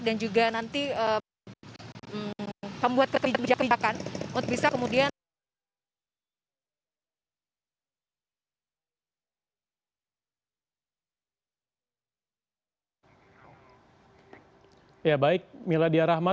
dan juga nanti membuat kebijakan